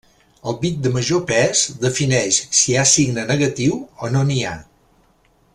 El bit de major pes defineix si hi ha signe negatiu o no n'hi ha.